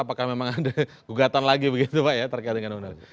apakah memang ada gugatan lagi begitu pak ya terkait dengan undang undang